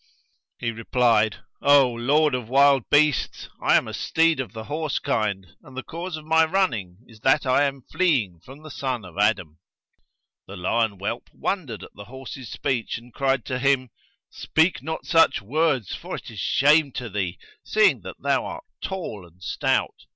He replied, O lord of wild beasts, I am a steed of the horse kind, and the cause of my running is that I am fleeing from the son of Adam.' The lion whelp wondered at the horse's speech and cried to him Speak not such words for it is shame to thee, seeing that thou art tall and stout.